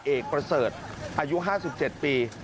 เอกประเสริฐอายุ๕๗ปี